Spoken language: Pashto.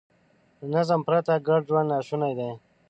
له نظم پرته ګډ ژوند ناشونی دی.